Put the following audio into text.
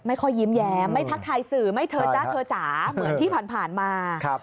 ค่อยยิ้มแย้มไม่ทักทายสื่อไม่เธอจ๊ะเธอจ๋าเหมือนที่ผ่านมา